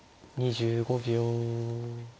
２５秒。